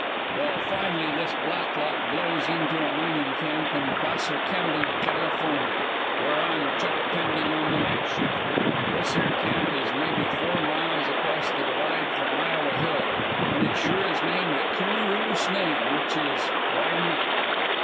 "Well, fin'ly this Blacklock blows into a mining camp in Placer County, California, where I'm chuck tending on the night shift. This here camp is maybe four miles across the divide from Iowa Hill, and it sure is named a cu roos name, which it is Why not.